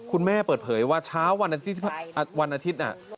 คุณแม่เปิดเผยว่าเช้าวันอาทิตย์น่ะ